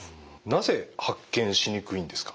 なぜ発見しにくいんですか？